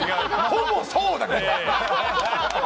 ほぼそうだけど。